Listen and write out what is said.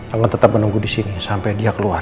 akan tetap menunggu disini sampai dia keluar